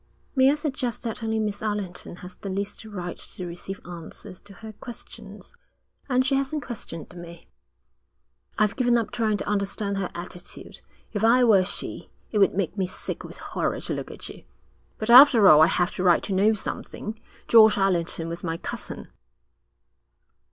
'Might I suggest that only Miss Allerton has the least right to receive answers to her questions? And she hasn't questioned me.' 'I've given up trying to understand her attitude. If I were she, it would make me sick with horror to look at you. But after all I have the right to know something. George Allerton was my cousin.'